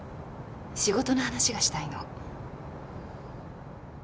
仕事の話がしたいの。